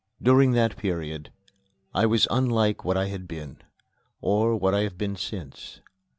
During that period I was unlike what I had been, or what I have been since.